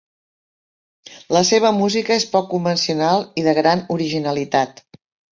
La seua música és poc convencional i de gran originalitat.